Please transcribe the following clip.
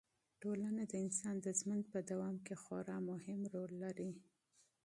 ټولنه د انسان د ژوند په دوام کې خورا مهم رول لري.